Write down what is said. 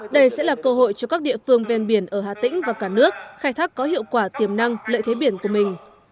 đây sẽ là cơ hội cho các địa phương ven biển ở hà tĩnh và cả nước khai thác có hiệu quả tiềm năng lợi thế biển của mình